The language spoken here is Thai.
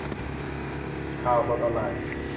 : ข่าวสดออนไลน์